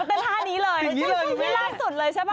มันเป็นท่านี้เลยท่านี้ล่านสุดเลยใช่ป่ะ